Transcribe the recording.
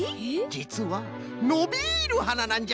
じつはのびるはななんじゃ。